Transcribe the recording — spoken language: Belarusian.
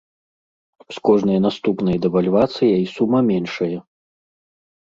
З кожнай наступнай дэвальвацыяй сума меншае.